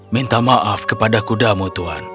minta maaf kepada kudamu tuhan